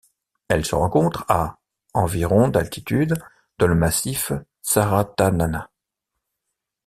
Elle se rencontre à environ d'altitude dans le massif Tsaratanana.